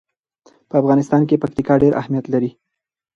په افغانستان کې پکتیکا ډېر اهمیت لري.